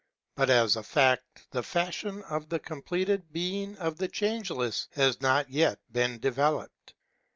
But as a fact the fashion of the completed being of the Changeless has not yet been developed.